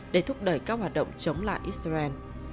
để thúc đẩy các hoạt động chống lại israel